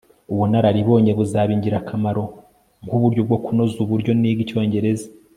Ubunararibonye buzaba ingirakamaro nkuburyo bwo kunoza uburyo niga icyongereza